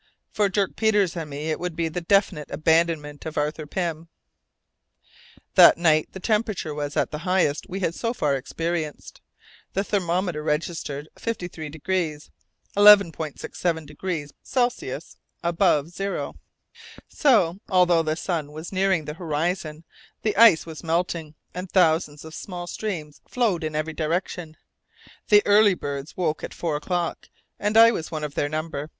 For Dirk Peters and me it would be the definite abandonment of Arthur Pym. That night the temperature was the highest we had so far experienced. The thermometer registered 53° (11° 67' C. below zero). So, although the sun was nearing the horizon, the ice was melting, and thousands of small streams flowed in every direction. The early birds awoke at four o'clock, and I was one of their number.